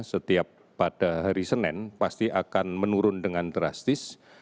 setiap pada hari senin pasti akan menurun dengan drastis